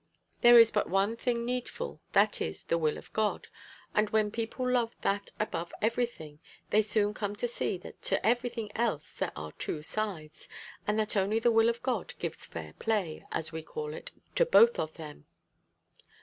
There is but one thing needful that is, the will of God; and when people love that above everything, they soon come to see that to everything else there are two sides, and that only the will of God gives fair play, as we call it, to both of them."